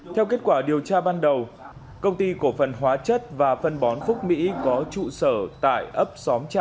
theo kết quả điều tra ban đầu công ty cổ phần hóa chất và phân bón phúc mỹ có trụ sở tại ấp xóm tra